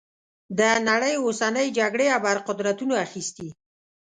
د نړۍ اوسنۍ جګړې ابرقدرتونو اخیستي.